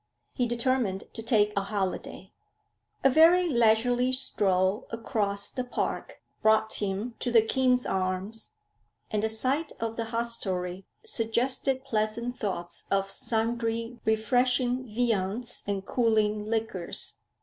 He determined to take a holiday. A very leisurely stroll across the park brought him to the King's Arms, and the sight of the hostelry suggested pleasant thoughts of sundry refreshing viands and cooling liquors.